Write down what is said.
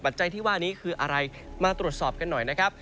จัยที่ว่านี้คืออะไรมาตรวจสอบกันหน่อยนะครับ